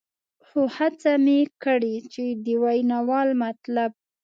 خو هڅه مې کړې چې د ویناوال مطلب.